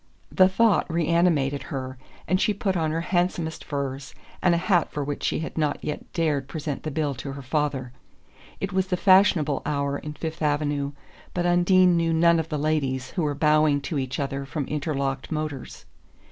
The thought reanimated her, and she put on her handsomest furs, and a hat for which she had not yet dared present the bill to her father. It was the fashionable hour in Fifth Avenue, but Undine knew none of the ladies who were bowing to each other from interlocked motors.